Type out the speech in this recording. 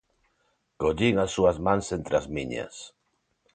Collín as súas mans entre as miñas.